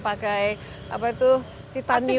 pakai titanium dan lain sebagainya